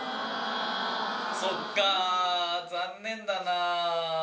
そっか残念だな。